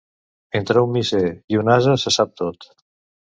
Entre un misser i un ase se sap tot.